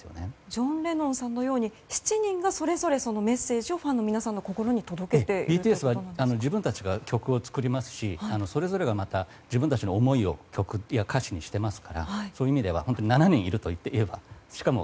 ジョン・レノンさんのように、７人がそれぞれメッセージをファンの皆さんの心にＢＴＳは自分たちでも曲を作りますしそれぞれが自分たちの思いを曲や歌詞にしていますからそういう意味では７人いるといってもいいかと。